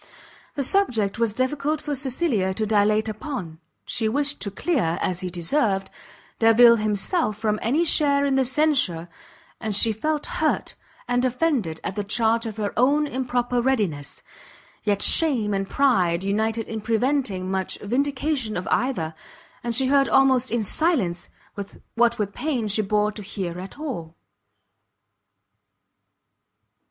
The subject was difficult for Cecilia to dilate upon; she wished to clear, as he deserved, Delvile himself from any share in the censure, and she felt hurt and offended at the charge of her own improper readiness; yet shame and pride united in preventing much vindication of either, and she heard almost in silence what with pain she bore to hear at all.